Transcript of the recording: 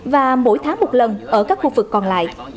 và mỗi tháng một lần ở các khu vực còn lại